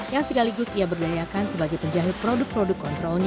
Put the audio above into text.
yang sekaligus ia berdayakan sebagai penjahit produk produk kontrolnya